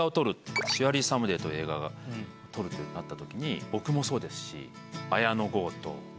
『シュアリー・サムデイ』という映画が撮るってなったときに僕もそうですし。